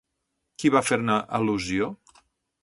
Qui va fer-ne al·lusió?